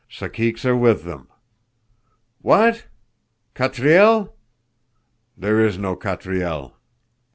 "Caciques are with them." "What! Catriel?" "There is no Catriel."